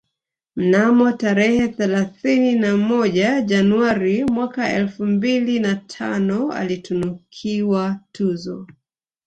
Mnamo tarehe thelathini na moja Januari mwaka elfu mbili na tano alitunukiwa tuzo